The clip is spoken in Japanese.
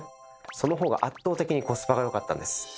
そのほうが圧倒的にコスパがよかったんです。